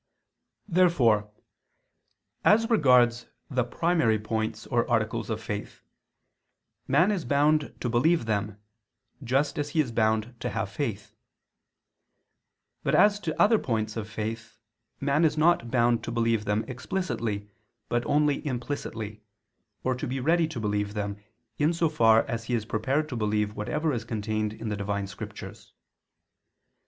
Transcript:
Therefore, as regards the primary points or articles of faith, man is bound to believe them, just as he is bound to have faith; but as to other points of faith, man is not bound to believe them explicitly, but only implicitly, or to be ready to believe them, in so far as he is prepared to believe whatever is contained in the Divine Scriptures.